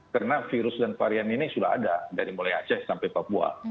karena virus dan varian ini sudah ada dari mulai aceh sampai papua